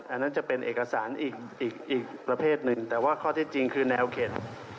อันนั้นจะเป็นเอกสารอีกประเภทหนึ่งแต่ว่าข้อเท็จจริงคือแนวเขต